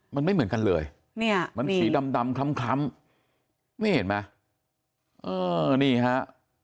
มันไม่เหมือนกันเลยมันสีดำดำคล้ำนี่เห็นมั้ยอันนี้ครับ